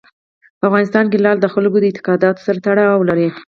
په افغانستان کې لعل د خلکو د اعتقاداتو سره تړاو لري.